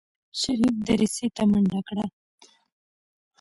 شريف دريڅې ته منډه کړه.